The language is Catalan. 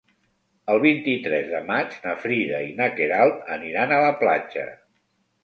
El vint-i-tres de maig na Frida i na Queralt aniran a la platja.